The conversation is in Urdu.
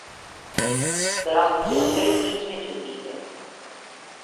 درخت کی اصل بیج میں چھپی ہے۔